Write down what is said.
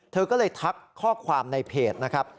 เธอก็เลยทักข้อความในเพจนะครับ